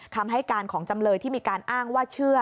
คำให้การของจำเลยที่มีการอ้างว่าเชื่อ